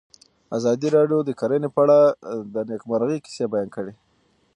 ازادي راډیو د کرهنه په اړه د نېکمرغۍ کیسې بیان کړې.